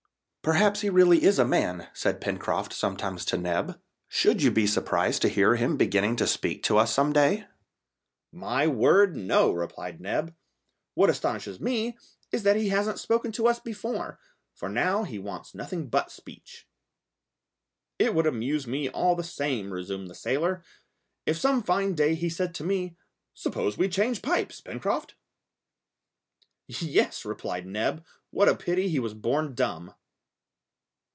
"Perhaps he is really a man," said Pencroft sometimes to Neb. "Should you be surprised to hear him beginning to speak to us some day?" "My word, no," replied Neb. "What astonishes me is that he hasn't spoken to us before, for now he wants nothing but speech!" "It would amuse me all the same," resumed the sailor, "if some fine day he said to me, 'Suppose we change pipes, Pencroft.'" "Yes," replied Neb, "what a pity he was born dumb!"